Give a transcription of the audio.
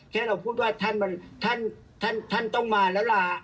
แค่เราพูดว่าท่านต้องมาแล้วล่ะ